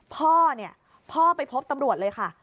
พ่อเนี่ยพ่อไปพบตำรวจเลยค่ะ